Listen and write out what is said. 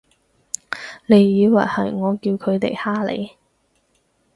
你以為係我叫佢哋㗇你？